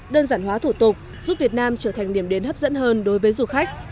đơn giản hóa thủ tục giúp việt nam trở thành điểm đến hấp dẫn hơn đối với du khách